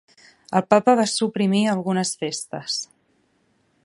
El papa va suprimir algunes festes.